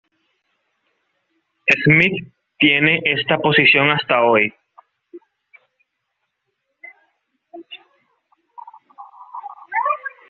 Smith tiene esta posición hasta hoy.